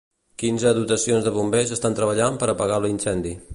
Quinze dotacions de bombers estan treballant per apagar l'incendi.